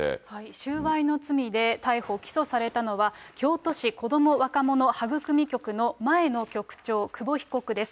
収賄の罪で逮捕・起訴されたのは、京都市子ども若者はぐくみ局の前の局長、久保被告です。